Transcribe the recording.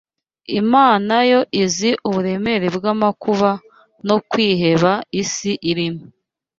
Imana yo izi uburemere bw’amakuba no kwiheba isi irimo